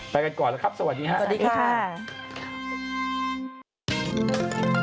ไปกันก่อนแล้วสวัสดีค่ะ